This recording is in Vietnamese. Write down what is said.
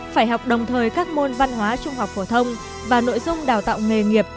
phải học đồng thời các môn văn hóa trung học phổ thông và nội dung đào tạo nghề nghiệp